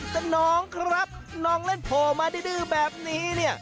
แต่น้องครับน้องเล่นโผล่มาดื้อแบบนี้เนี่ย